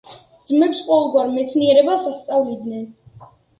ძმებს ყოველგვარ მეცნიერებას ასწავლიდნენ.